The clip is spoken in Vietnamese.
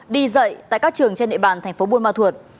đi dạy tại các trường trên địa bàn tp buôn ma thuột